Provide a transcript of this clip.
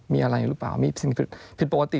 มีอะไรรึเปล่ามีผิดปกติ